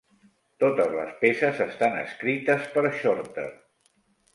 Totes les peces estan escrites per Shorter.